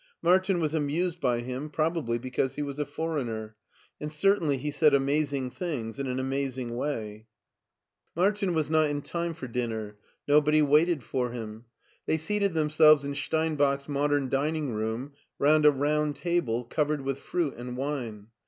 Martin was amused by him, probably because he was a foreigner, and certainly he said amazing things in an amazing way. 131 132 MARTIN SCHULER Martin was not in time for dinner. Nobody waited for him. They seated themselves in Steinbach's mod cm dining room round a round table covered with fruit and wine.